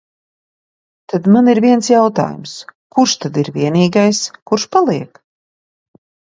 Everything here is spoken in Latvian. Tad man ir viens jautājums: kurš tad ir vienīgais, kurš paliek?